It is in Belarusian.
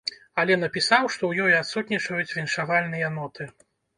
Але напісаў, што ў ёй адсутнічаюць віншавальныя ноты.